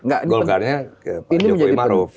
enggak golkarnya pak jokowi maruf